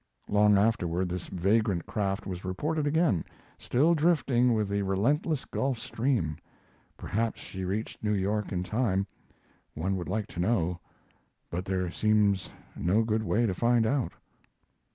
Long afterward this vagrant craft was reported again, still drifting with the relentless Gulf Stream. Perhaps she reached New York in time; one would like to know, but there seems no good way to find out.